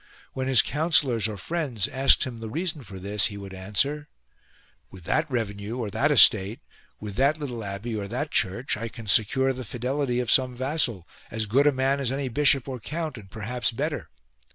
When his councillors or friends asked him the reason for this he would answer :" With that revenue or that estate, with that little abbey or that church I can secure the fidelity of some vassal, as good a man as any bishop or count, and perhaps better."